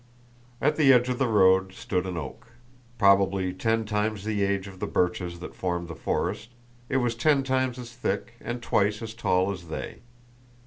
At the edge of the road stood an oak. Probably ten times the age of the birches that formed the forest, it was ten times as thick and twice as tall as they.